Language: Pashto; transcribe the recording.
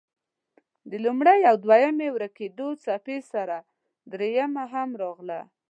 د لومړۍ او دویمې ورکېدو څپې سره دريمه هم راغله.